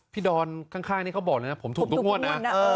ดอนข้างนี่เขาบอกเลยนะผมถูกทุกงวดนะ